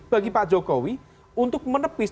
bagi pak jokowi untuk menepis